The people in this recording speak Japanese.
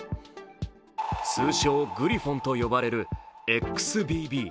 通称グリフォンと呼ばれるＸＢＢ。